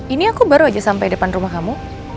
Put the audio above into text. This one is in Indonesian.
ini aku baru aja sampai depan rumah kamu